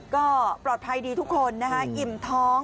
ก็ปลอดภัยดีทุกคนนะคะอิ่มท้อง